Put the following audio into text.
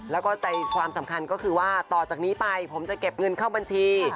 แล้วก็ใจความสำคัญก็คือว่าต่อจากนี้ไปผมจะเก็บเงินเข้าบัญชี